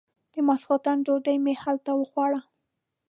د ماسختن ډوډۍ مې هلته وخوړه.